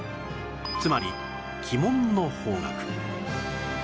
つまり鬼門の方角